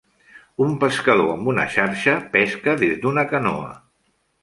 Un pescador amb una xarxa pesca des d'una canoa.